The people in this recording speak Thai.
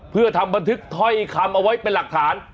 เพื่อทำบันทึกถ้อยคำเอาไว้เป็นหลักฐาน